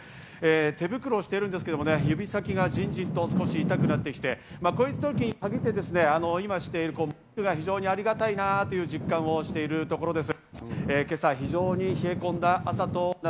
手袋をしているんですけれども、指先がジンジンと少し痛くなってきて、こういうときに限って今しているマスクが非常にありがたいなと実感しているところです。